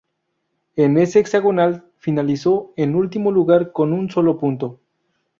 En ese hexagonal finalizó en último lugar con un solo punto.